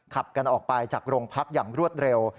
ขับกันออกไปจากโรงพักอย่างรวดเร็ว